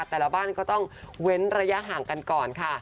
แต่ละบ้านก็ต้องเว้นระยะห่างกันก่อนค่ะ